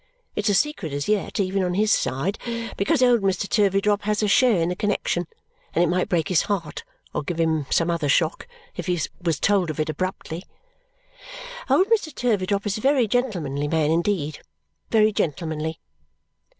It's a secret as yet, even on his side, because old Mr. Turveydrop has a share in the connexion and it might break his heart or give him some other shock if he was told of it abruptly. Old Mr. Turveydrop is a very gentlemanly man indeed very gentlemanly."